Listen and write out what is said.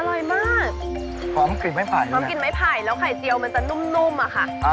อร่อยมากพร้อมกลิ่นไม้ไผ่พร้อมกลิ่นไม้ไผ่แล้วไข่เจียวมันจะนุ่มนุ่มอะค่ะ